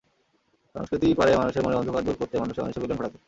সংস্কৃতিই পারে মানুষের মনের অন্ধকার দূর করতে, মানুষে মানুষে মিলন ঘটাতে।